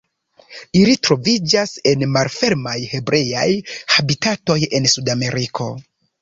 Ili troviĝas en malfermaj, herbejaj habitatoj en Sudameriko.